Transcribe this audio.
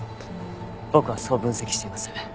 僕はそう分析しています。